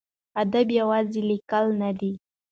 ادب یوازې لیکل نه دي.